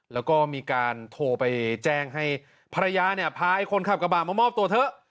แล้วก็มีการโทรไปแจ้งให้ภรรยาเนี่ยพาคนขับกระบาดมามอบตัวเถอะ